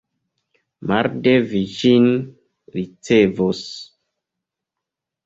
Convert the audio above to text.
Marde vi ĝin ricevos.